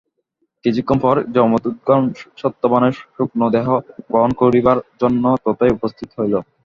কিছুক্ষণ পরে যমদূতগণ সত্যবানের সূক্ষ্ম দেহ গ্রহণ করিবার জন্য তথায় উপস্থিত হইল।